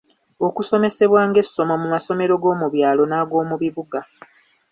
Okusomesebwa ng'essomo mu masomero g'omu byalo n'ag’omu bibuga.